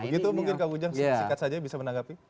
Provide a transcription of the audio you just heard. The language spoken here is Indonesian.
begitu mungkin kak ujang sikat sikat saja bisa menanggapi